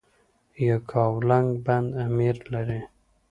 یکاولنګ بند امیر لري؟